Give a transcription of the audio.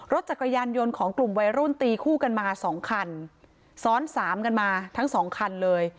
รถจักรยานยนต์ของกลุ่มวัยรุ่นตีคู่กันมาสองคันซ้อนสามกันมาทั้งสองคันเลย